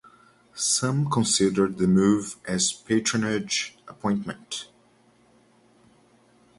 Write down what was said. Some considered the move as a patronage appointment.